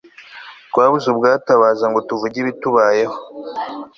twabuze ubwatabaza ngo tuvuge ibitubayeho